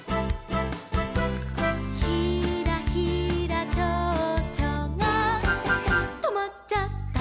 「ひらひらちょうちょがとまっちゃった」